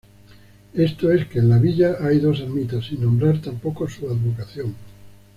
Esto es, que en la villa hay dos ermitas, sin nombrar tampoco su advocación.